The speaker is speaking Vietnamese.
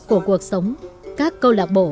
của cuộc sống các cô lạc bộ